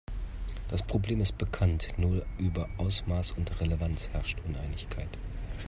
Das Problem ist bekannt, nur über Ausmaß und Relevanz herrscht Uneinigkeit.